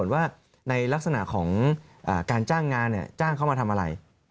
ว่าในลักษณะของการจ้างงานจ้างเขามาทำอะไร